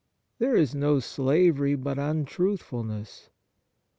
There is no slavery but untruthfulness.